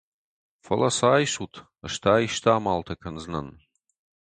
Фӕлӕ сӕ айсут, ӕз та исты амалтӕ кӕндзынӕн!